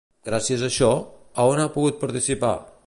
Gràcies a això, on ha pogut participar?